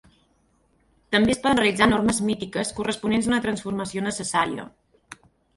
També es poden realitzar normes mítiques corresponents a una transformació necessària.